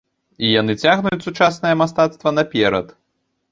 І яны цягнуць сучаснае мастацтва наперад.